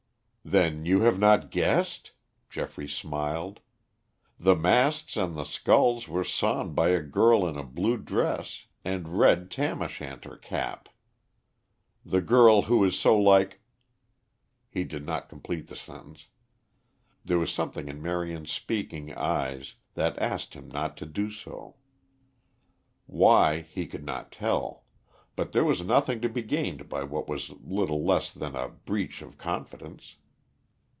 "Then you have not guessed?" Geoffrey smiled. "The masts and the sculls were sawn by a girl in a blue dress and red tam o' shanter cap. The girl who is so like " He did not complete the sentence; there was something in Marion's speaking eyes that asked him not to do so. Why he could not tell; but there was nothing to be gained by what was little less than a breach of confidence.